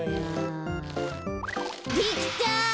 できた！